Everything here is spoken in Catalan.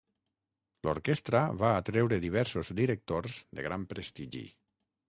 L'orquestra va atreure diversos directors de gran prestigi.